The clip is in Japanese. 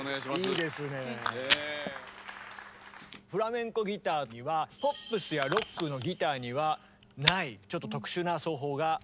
フラメンコギターにはポップスやロックのギターにはないちょっと特殊な奏法があるんですね。